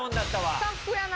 スタッフやな。